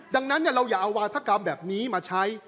ดังนั้นเราอย่าเอาวาธกรรมแบบนี้มาใช้